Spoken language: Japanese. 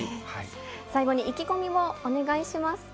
最後に意気込みをお願いしま